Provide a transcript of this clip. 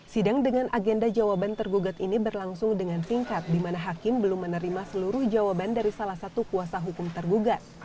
sidang dengan agenda jawaban tergugat ini berlangsung dengan singkat di mana hakim belum menerima seluruh jawaban dari salah satu kuasa hukum tergugat